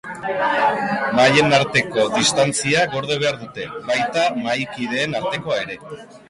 Mahaien arteko distantzia gorde behar dute, baita mahaikideen artekoa ere.